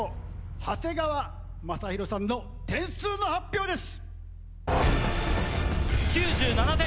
長谷川雅洋さんの点数の発表です！